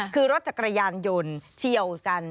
คือรถจักรยานยนต์เฉียวกัน